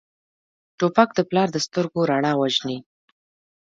توپک د پلار د سترګو رڼا وژني.